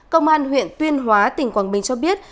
công an huyện tuyên hóa tỉnh quảng bình cho biết